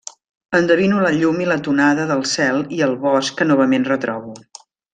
Endevino la llum i la tonada del cel i el bosc que novament retrobo.